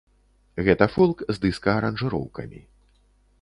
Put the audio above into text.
Гэта фолк, з дыска-аранжыроўкамі.